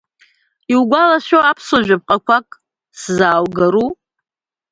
Иугәалашәо, аԥсуа жәаԥҟақәак сзааугару?